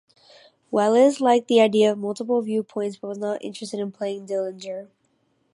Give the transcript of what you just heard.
Welles liked the idea of multiple viewpoints but was not interested in playing Dillinger.